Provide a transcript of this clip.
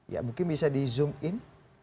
ya mungkin bisa di zoom in